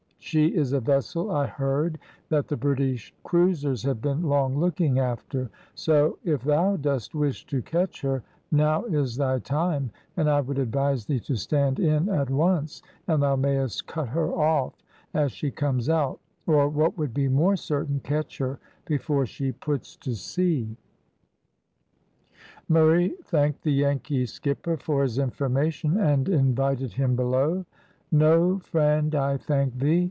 She is a vessel I heard that the British cruisers have been long looking after; so if thou dost wish to catch her, now is thy time, and I would advise thee to stand in at once, and thou mayest cut her off as she comes out, or, what would be more certain, catch her before she puts to sea." Murray thanked the Yankee skipper for his information, and invited him below. "No, friend, I thank thee.